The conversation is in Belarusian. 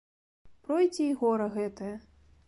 Пройдзе і гора гэтае.